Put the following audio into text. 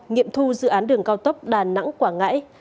nghiệm thu dự án đường cao tốc đà nẵng quảng ngãi